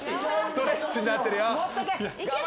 ストレッチになってるよ。